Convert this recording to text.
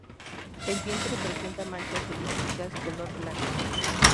El vientre presenta manchas elípticas color blanco.